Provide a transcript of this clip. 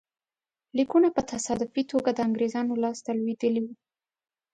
لیکونه په تصادفي توګه د انګرېزانو لاسته لوېدلي وو.